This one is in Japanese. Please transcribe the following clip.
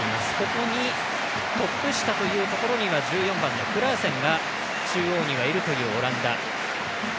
ここにトップ下というところには１４番のクラーセンが中央にいるというオランダ。